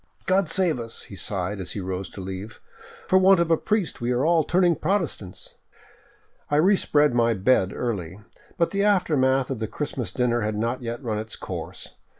" God save us," he sighed as he rose to leave, " for want of a priest we are all turning Protestants !" I respread my " bed " early. But the aftermath of the Christmas dinner had not yet run its course.